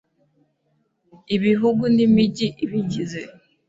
Ibihugu nimigi ibigize